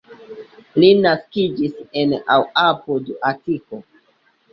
Li naskiĝis en aŭ apud Atiko.